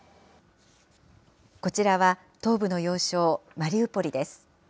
こちらは東部の要衝マリウポリです。